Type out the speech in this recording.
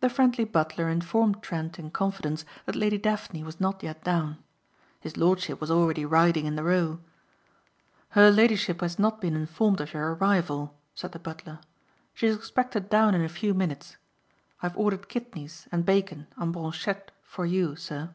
The friendly butler informed Trent in confidence that Lady Daphne was not yet down. His lordship was already riding in the Row. "Her ladyship has not been informed of your arrival," said the butler. "She is expected down in a few minutes. I have ordered kidneys and bacon en brochette for you, sir."